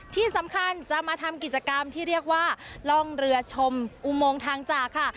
ที่สำคัญจะมาทำกิจกรรมที่เรียกว่าล่องเรือชมอุโมงทางจากค่ะ